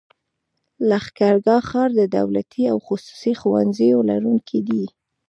لښکرګاه ښار د دولتي او خصوصي ښوونځيو لرونکی دی.